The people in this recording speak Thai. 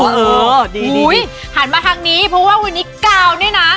เออดีหันมาทางนี้เพราะว่าวันนี้กาวเนี่ยนะ